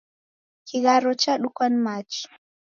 Kigharo chadukwa ni machi